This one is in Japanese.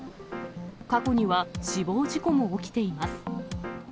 過去には死亡事故も起きています。